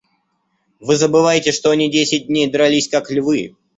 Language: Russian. Вы забываете, что они десять дней дрались, как львы.